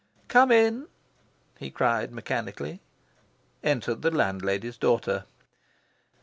"Come in!" he cried mechanically. Entered the landlady's daughter.